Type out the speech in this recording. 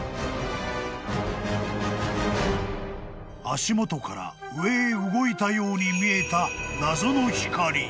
［足元から上へ動いたように見えた］